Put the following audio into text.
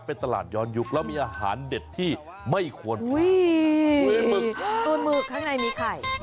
เป็นตลาดย้อนยุคแล้วมีอาหารเด็ดที่ไม่ควรมีหมึกตัวหมึกข้างในมีไข่